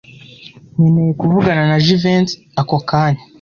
Nkeneye kuvugana na Jivency ako kanya.